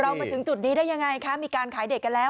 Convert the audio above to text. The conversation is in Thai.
มาถึงจุดนี้ได้ยังไงคะมีการขายเด็กกันแล้ว